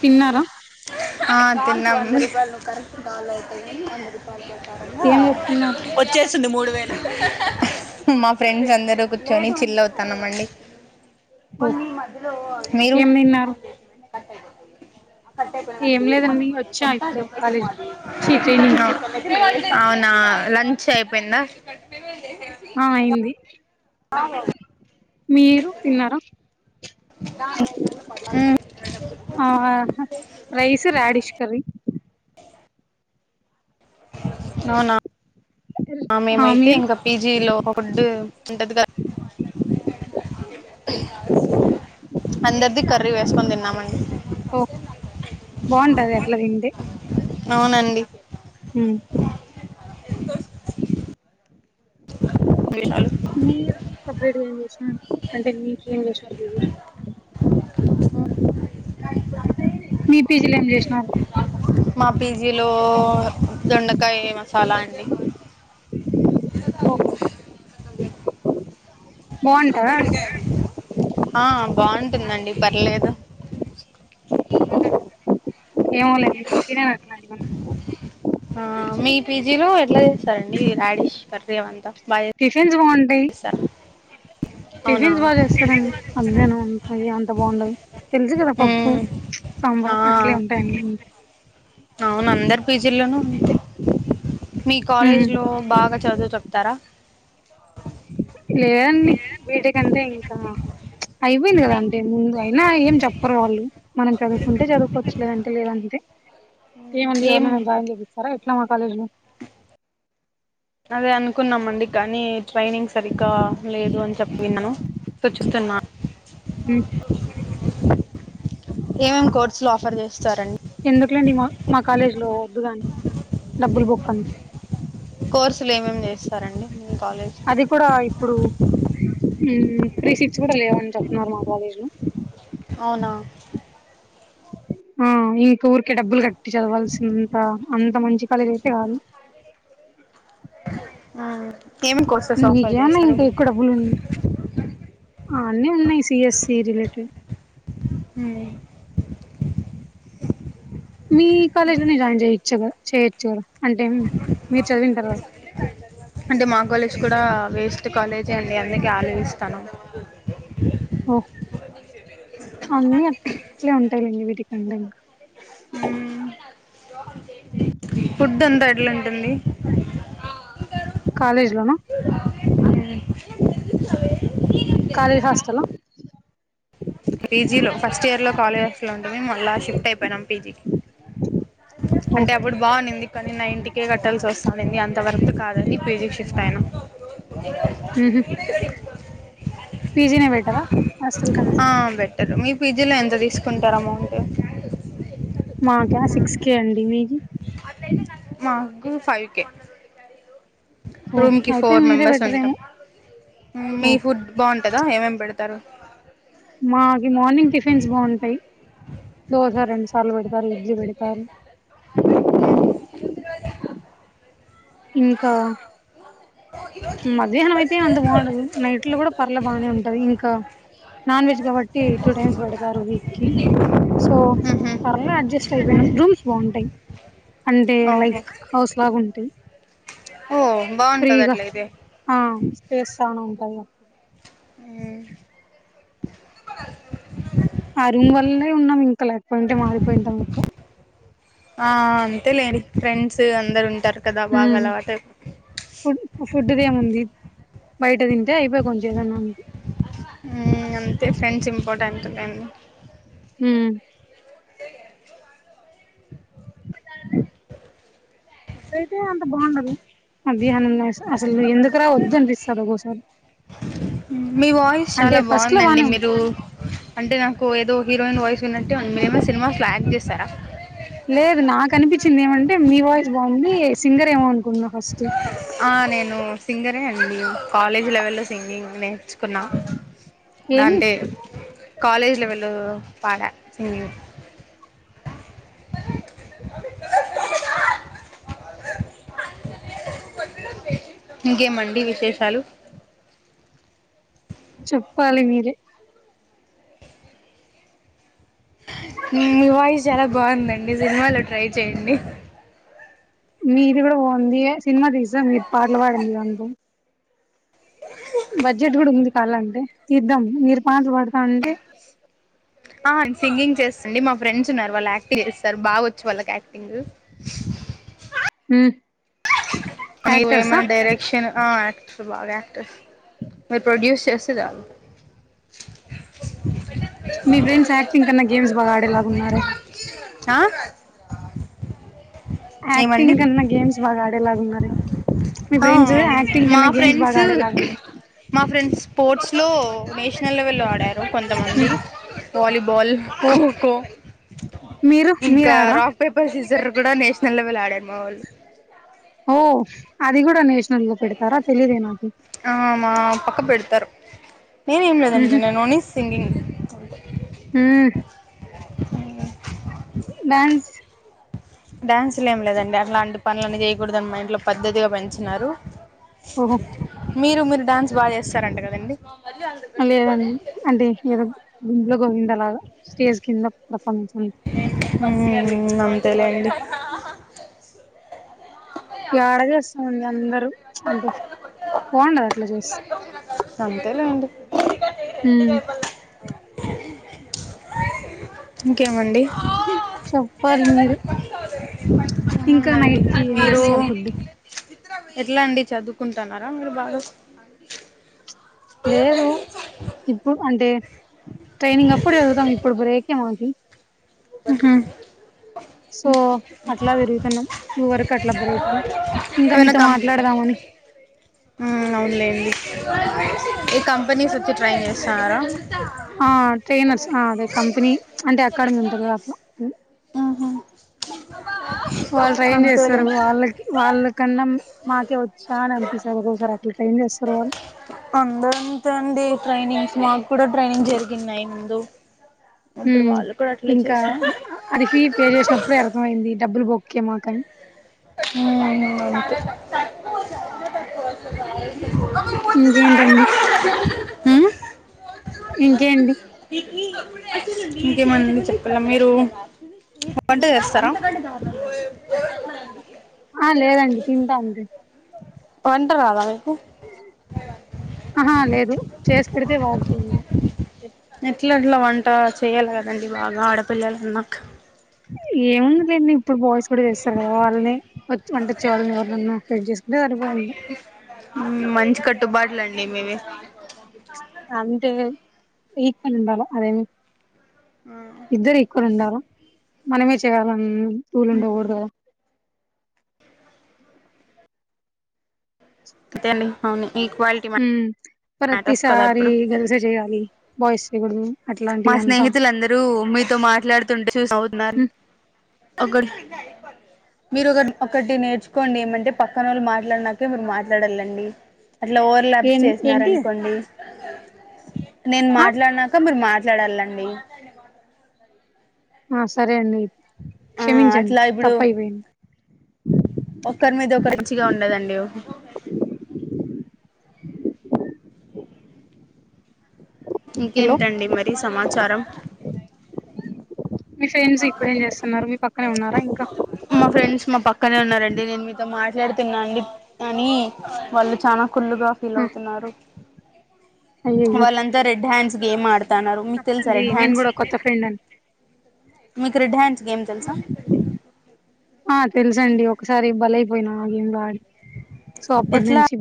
తిన్నారా ఆ తినం ఏం చేస్తున్నావ్ మా ఫ్రెండ్స్ అందరు కూర్చొని చిల్లవుతాన్నామండి ఓ మీరు ఏం తిన్నారు కట్ట ఏం లేదండి వచ్చా కూడాంేొంత ఇప్పుడే జప్పగ కాలేజీకి మాది ఛీ ట్రైనింగ్ కి అవునా లంచ్ అయిపోయిందా ఆ అయింది అ మీరు తిన్నారా మ్ ఆ రైస్ రాడిష్కీ కర్రీ అవునా ఆ మేమైతే ఇంకా పీజీలో ఫుడ్ ఉంటది కదా అందరిది కర్రీ వేసుకొని తిన్నామండి ఓ బాగుంటది అట్లా తింటే అవునండి ఉమ్ విషాలు మీరు సపరేట్గా ఏం చేసిన అంటే మీకేం చేసినారు పిజిలో మీ పీజీలో ఏం చేసినారు మా పీజీలో దొండకాయ మసాలా అండి ఓ బాగుంటదా ఆ బాగుంటుందండి పర్లేదు ఏమో లే నేను తినను అట్లాంటివన్ని ఆ మీ పీజీలో ఎట్లా చేస్తారండి రాడీష్ కర్రీ అంతా టిఫిన్స్ బాగుంటాయి అవునా టిఫిన్స్ బాగా చేస్తారండి అంతేను మధ్యాహ్నం అంత బాగుండదు తెలుసు కదా పప్పు మ్మ్ ఆ సాంబార్ అట్లే ఉంటాయండి అవును అందరి పీజీల్లోనూ అంతే మీ ఉమ్ కాలేజ్ లో బాగా చదువు చెప్తారా లేదండి బైట్కంటే ఇంకా అయిపోయింది కదా అంటే ఏముందు అయినా ఏం చెప్పరు వాళ్ళు మనం చదువుకుంటే చదువుకోవచ్చు లేదంటే లేదంతే ఏమండి ఏం ఎవరినైనా జాయిన్ చేపిస్తారా ఎట్లా మా కాలేజ్ లో అదే అనుకున్నామ అండి కానీ ట్రైనింగ్ సరిగ్గా లేదు అని చెప్పి విన్నాను సో చుస్తున్నా మ్ ఏమేం కోర్సు లు ఆఫర్ చేస్ ఎందుకులేండి మా మా కాలేజీ లో వద్దు గాని డబ్బులు బిక్క అంత్ కోర్సులు ఏమేమి చేస్తారండి మీ కాలేజ్ మ్ త్రీ సీట్స్ కూడా లేవని చెప్తున్నారు మా కాలేజీ లో అవునా ఆ ఇంకా ఊరికే డబ్బులు కట్టి చదవాల్సిినంత అంత మంచి కాలేజ్ అయితే కాదు ఆ మీకేమన్నా ఇంకా ఎక్కువ డబ్బులు ఉం ఆ అన్నీ ఉన్నాయి సిఎస్సి రిలేటెడ్ హ్మ్ మీ కాలేజ్ లోనే జాయిన్ చేయచ్చు గ చేయచ్చు కదా అంటే మీరు చదివింటరు అంటే మా కాలేజ్ కూడా వేస్ట్ కాలేజే అండి అందుకే ఆలోచిస్తానం ఓ అండ్ ఇంకా మ్మ్ [unintelligible] అంటుంది కాలేజ్ లోనా కాలేజ్ హాస్టలా పీజీలో ఫస్ట్ ఇయర్ లో కాలేజ్ హాస్టల్ లో ఉంటిమి మళ్ళా షిఫ్ట్ అయిపోయినాం పీజీకి ఓ అంటే అప్పుడు బా ఉంనింది కో నిన్న ఇంటికే కట్టాల్సి వస్తానింది అంతవరకు కాదని పీజీకి షిఫ్ట్ అయినాం హ్మ్ హు పి పిజినే బెటర్ ఆ హాస్టల్ కన్నా టరు మీ పీజీలో ఎంత తీసుకుంటారు అమౌంటు మాకా సిక్స్ కే అండి మీకి మాకు ఫైవ్ కె ఓ రూమ్ కి అయితే ఫోర్ మీరే మెంబెర్స్ ఉంటాం బెటరేమో ఓ మీ ఫుడ్ బాంట దా ఏమేం పెడతారు మాకి మార్నింగ్ టిఫిన్స్ బాగుంటాయి తరు ఇడ్లీ పెడ్తారు అ ఇంకా మధ్యాహ్నం అయితే అంత బాగుండదు నైట్ లో కూడా పర్లే బానే ఉంటది ఇంకా నాన్ వెజ్ కాబట్టి టూ టైమ్స్ పెడతారు వీక్ కి సో మ్మ్ హ్మ్ పర్లే అడ్జస్ట్ అయిపోయినాం రూమ్స్ బాగుంటాయ్ అంటే ఓకే లైక్ హౌస్ లాగా ఉంటాయ్ ఓ బాగుంటది అట్లా అయితే ఆ స్పేస్ చానా ఉంటది హ్మ్ ఆ రూమ్ వల్లే ఉన్నాం ఇంకా లేకపోయింటే మారిపోయింటాం ఇప్పుడో ఆ అంతే లెండి ఫ్రెండ్స్ అందరు ఉంటారు కదా బాగా హ్మ్ అలవాటు ఫుడ్ ఫుడ్దేముంది బయట తిం హ్మ్ అంతే ఫ్రెండ్స్ ఇంపార్టెంట్ లెండి హ్మ్ ఫుడ్ అయితే అంత బాగుండదు మధ్యాహ్నంలో అసలు ఎందుకు రా వద్దు అనిపిస్తది ఒకోసారి హ్మ్ మీ వాయిస్ అంటే చాలా ఫస్ట్ లో బాగుందండి బానే ఉంది మీరు అంటే నాకు ఏదో హీరోయిన్ వాయిస్ విన్నట్టే ఉంది మీరు ఏమన్న సినిమాస్ లో యాక్ట్ చేశారా లేదు నాకు అనిపించింది ఏమంటే మీ వాయిస్ బాగుంది సింగర్ ఏమో అనుకున్నా ఫస్ట్ ఆ నేను సింగరే అండి కాలేజ్ లెవెల్లో సింగింగ్ నేర్చ్ కున్నా ఏమి అంటే కాలేజ్లేవెల్లో పాడ సింగింగ్ ఇంకేమండి విశేషాలు చెప్పాలి మీరే వాయిస్ చాలా బాగుందండి సినిమాలో ట్రై చేయండి మీది కూడా పోంది సినిమా తీసా మీరు పాటలు పాడండి అను బడ్జెట్ కూడా ఉంది కాాల అంటే తీద్దాం మీరు పాటలు పాడతామంటే ఆ సింగింగ్ చేస్తండి మా ఫ్రెండ్స్ ఉన్నారు వాళ్ళు యాక్టింగ్ చేస్తారు బాగా వచ్చు వాళ్ళకి యాక్టింగ్ హ మీరు ఏమన్నా డైరెక్షన్ యాక్టర్ బాగా యాక్టర్స్ మీరు ప్రొడ్యూస్ చేస్త జాల మీ ఫ్రెండ్స్ యాక్టింగ్ కన్నా గేమ్స్ బాగా ఆడేలాగాన్నారు ఆ ఏమండి యాక్టింగ్ కన్నా గేమ్స్ బాగా ఆడేలాగా ఉన్నార అ మా బాగా ఫ్రెండ్స్ ఆడేలాగా ఉన్నారు మా ఫ్రెండ్స్ స్పోర్ట్స్ స్లో నేషనల్ లెవెల్లో ఆడాలారు కొంతమంది హ్మ్ వాలీబాల్ ఓ ఖోఖో మీరు మీరు ఇంకా ఆడరా రాక్ పేపర్ సీజర్ కూడా నేషనల్ లెవెల్ ఆడారు మా వాళ్ళు అది కూడాడా న నలుగు పెడతారా తెలిదే నాకు ఆ నేను ఏం లేదండి ఊహూ నేను ఓన్లీ సింగింగ్ హ్మ్ అే ్యాన్స్ డ్యాన్సులు ఏం లేదండి అట్లాంటి పనులన్న చేయకూడదుని మా ఇంట్లో పద్ద్దతిగా పెంచినారు ఓహో మీరు మీరు డ్యాన్స్ బాగా చేస్తారంట కదండి లేద అంటే ఏదో గుంలో గోవింద స్టేజ్ కింద పర్ఫార్మెన్స్ ఉంతే అంతేలేండి ఏడ చేస్తాముడి అందరుూ అంటే బాగుండద అంతేలేండి ఉమ్ ఇంకేమండి చెప్పాలి మీరే ఇంకా ఏముందండి నైట్ కి ఏం మీరు చేస్తారు ఫుడ్ ఎట్లా అండి చదువుకుంటున్నారా మీరు బాగా లేదు ఇప్పుడు అంటే ట్రైనింగ్ అప్పుడు చదువుతాం ఇప్పుడు బేకే మనకి ఊహూ సో అట్లా తిరుగుతున్నాం టూ వరకు అట్లా బ్రేక్ ఇంకా ఏమైనా మీతో కం మాట్లాడదామని అవునులేండి ఈ కంపెనీస్ వచ్చి ట్రై చేస్తున్నారా ఆ ట్రైనర్స్ ఆ అదే కంపెనీ అంటే అకాడమీ ఉంటంది కదా అట్లా ఊహూ వాళ్ళు ట్రైన్ అంతేలే చేస్తారు వాళ్ళకి వాళ్ళ కన్నా మాకే వచ్చు కాన అంత సగసార్ అట్లా ట్రైం చేస్తారు వాళ్ళు అందరూ అంతే అండి ట్రైనింగ్స్ మాకు కూడా ట్రైనింగ్ జరిగిందియి ముందు ఉ ఇప్పుడు వాళ్ళు కూడా అట్లే ఇంకా చేసినారు అరిఫీ పే చేసినప్పుడే అర్థంమయింది డబ్బులు బొక్కే మాకని అ ఇంకేంటండి ఆ ఇంకేంటి ఇంకేమంది చెప్పాల మీరు బండ వస్తరం ఆ లేదండి తింటాంది ట్వంటరాదా అహా లేదు చేసి పెడితే వాగుతుండ్ ట చెయ్యాల గదండి బాగా ఆడపిల్లలన్నాక్ ఏముందిలెన్ని ఇప్పుడు బాయ్స్ కూడా చేస్తారు కదా వాళ్ళని వచ్ వంటచ్చే వాళ్ళని ఎవర్నన్నా సెట్ చేసుకుంటే సరిపోయింది మంచి కట్టుబాట్లండి మీవి అంతే ఈక్వల్ ఉండాల అదేమి ఇద్దరు ఈక్వల్ ఉండాల మనమే చెయాలన్ రూలుండగుడదు అంతేండి అవును ఈక్వాలిటీ హ్మ్ మ్యాటర్స్ కదా ప్రతిసారి ఇప్పుడు గర్ల్సే జెయ్యాలి బాయ్స్ చెయ్ గుడుదు మా స్నేహితులందరూ మీతో మాట్లాడుతుంటే చూస్ నవుతున్నారు హ్మ్ ఒకరు మీరొకట్ ఒకటి నేర్చుకోండి ఏమంటే పక్కనోళ్ళు మాట్లాడ్నాకే మీరు మాట్లాడాలండి అట్లా ఓవర్లలాప్ ఏం ఏంటి చేసినారనుకోండి నేను ఆ మాట్లాడినాక మీరు మాట్ ట్లడలండి ఆ సరే అండి ఆ క్షమించండి అట్లా తప్పైపొయింది ఒకర్మీద ఒక రించిగా ఉండదండి హలో ఇంకేంటండి మరి సమాచారం మీ ఫ్రెండ్స్ ఇప్పుడేం చేస్తున్నారు మీ పక్కనే ఉన్నారా ఇంకా మా ఫ్రెండ్స్ మా పక్కనే ఉన్నారండి నేను మీతో మాట్లాడుతున్నా అండి అని వాళ్ళు చానా కుళ్ళుగా ఆ ఫీలవుతున్నారు అయ్యయ్యో వాళ్లంతా రెడ్ హ్యాండ్స్ గేమాడ్ తాన్నారు మీకు తెలుసా చెప్పండి రెడ్ నేను హాండ్స్ కూడా కొత్త ఫ్రెండ్ అని మీకు రెడ్ హాండ్స్ గేమ్ తెలుసా ఆ తెలుసండి ఒకసారి బలైపొయినా ఆ గేమ్ లో ఆడి సో అప్పటి ఎట్లా నుంచి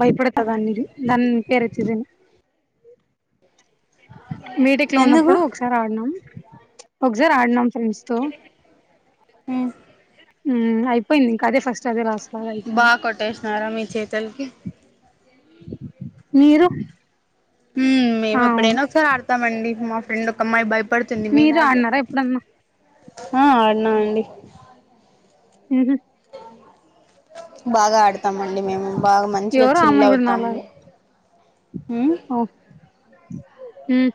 భయపడతాదాన్నిది దాని పేరు వచ్చిదిన్ మీటిక్ లో ఎందుకు ఉన్నప్పుడు ఒకసారి ఆడ్నం ఒక్జారాడ్నం మ్మ్ మ్మ్ అయిపొయింది ఇంక అదే ఫస్ట్ అదే రాస్ బా కొట్టేసినారా మీ చేతుల్కి మీరు మ్మ్ అవును మేమెప్పుడైనా ఒకసారి ఆడతామండి మా ఫ్రెండ్ ఒకమ్మాయి పడుతుంది మీరు మీలాగే ఆడినారా ఎప్పుడన్నా ఊహు బాగాడు తమండి మేము బాగా మంచిగా ఎవరో చిల్ అమ్మాయి కూడా అవుతాము నాలాగా మ్మ్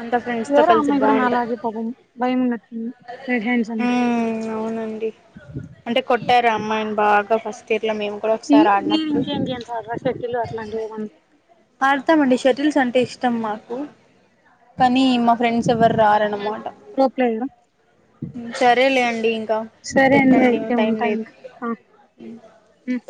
అంతా ఫ్రెండ్స్ తో ఎవురో కలిసి అమ్మాయి గుడా బాగుంటాం నాలాగే పాపం భయమున్నట్టుంది రెడ్ హ్యాండ్స్ అంటే మ్మ్ అవునండి అంటే కొట్టారు ఆ అమ్మాయిని బాగా ఇయర్ లో మేము కూడా ఒకసారి ఆడినప్పుడు ఇంకేంది అంటారు రషెడ్యులు అట్లాంటివేమన్న్ ఆడతామండి షటిల్స్ అంటే ఇష్టం మాకు కానీ మా ఫ్రెండ్స్ ఎవర్ రారన్నమాట ప్రో ప్లేయరా సరేలే అండి ఇంకా సరే అండి పెట్టండి అయితే టైం ఉంటా లేదు ఇంకా ఆ మ్మ్ ఉమ్